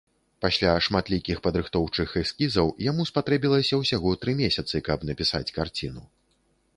Пасля шматлікіх падрыхтоўчых эскізаў яму спатрэбілася ўсяго тры месяцы, каб напісаць карціну.